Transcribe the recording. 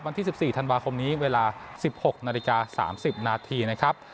วันที่๑๔ธันวาคมนี้เวลา๑๖นาฬิกา๓๐นาทีนะครับ